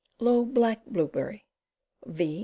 Low Black Blueberry. V.